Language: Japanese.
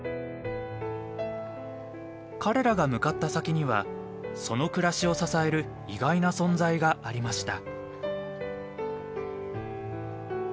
彼らが向かった先にはその暮らしを支える意外な存在がありました。